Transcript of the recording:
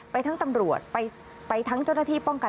ทั้งตำรวจไปทั้งเจ้าหน้าที่ป้องกัน